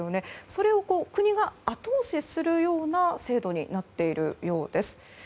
それを国が後押しするような制度になっているようです。